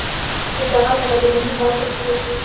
د جغل درجه بندي باید ترسره شي